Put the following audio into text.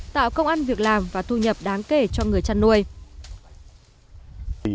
tạo công an việc làm và thu nhập đáng kể cho người chăn nuôi